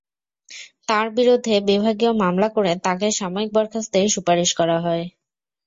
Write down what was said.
তাঁর বিরুদ্ধে বিভাগীয় মামলা করে তাঁকে সাময়িক বরখাস্তের সুপারিশ করা হয়।